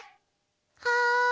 はい。